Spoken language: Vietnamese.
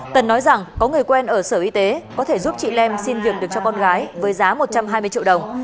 tân nói rằng có người quen ở sở y tế có thể giúp chị lem xin việc được cho con gái với giá một trăm hai mươi triệu đồng